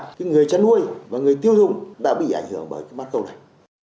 cái người chân nuôi và người tiêu thùng đã bị ảnh hưởng bởi cái bắt cầu này